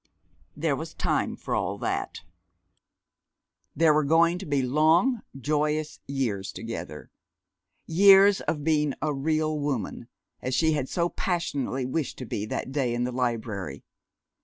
There was time for all that. There were going to be long, joyous years together, years of being a "real woman," as she had so passionately wished to be that day in the library.